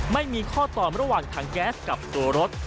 ไม่มีข้อตอบระหว่างถังแก๊สกับตัวรถ